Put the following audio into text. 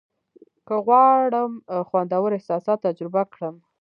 که غواړم خوندور احساسات تجربه کړم.